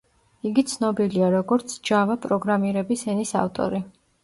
იგი ცნობილია როგორც ჯავა პროგრამირების ენის ავტორი.